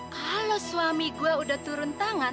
kalau suami gue udah turun tangan